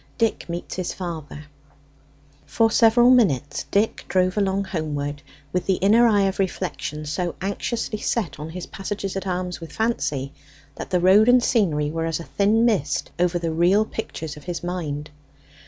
DICK MEETS HIS FATHER For several minutes Dick drove along homeward, with the inner eye of reflection so anxiously set on his passages at arms with Fancy, that the road and scenery were as a thin mist over the real pictures of his mind.